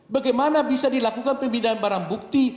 bagaimana bisa dilakukan pembinaan barang bukti